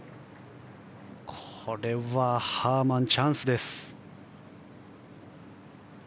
これはハーマン、チャンスです。